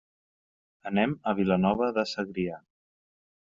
Anem a Vilanova de Segrià.